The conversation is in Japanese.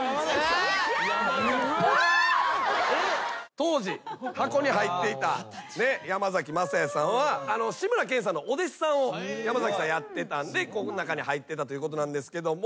当時箱に入っていた山崎まさやさんは志村けんさんのお弟子さんを山崎さんやってたんで中に入ってたということなんですけども。